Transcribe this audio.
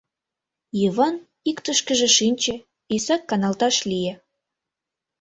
Йыван иктышкыже шинче, исак каналташ лие.